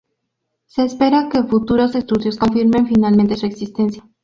Se espera que futuros estudios confirmen finalmente su existencia.